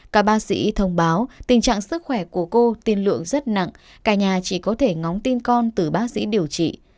các bác sĩ thông báo tình trạng sức khỏe của cô tiên lượng rất nặng cả nhà chỉ có thể ngóng tin con từ bác sĩ điều trị